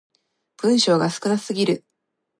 文章が少なすぎる